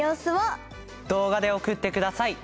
動画で送って下さい。